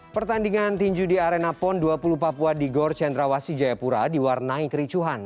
pertandingan tinju di arena pon dua puluh papua di gor cendrawasi jayapura diwarnai kericuhan